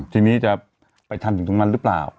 ทีนี้จะไปทันถึงตรงนั้นหรือเปล่า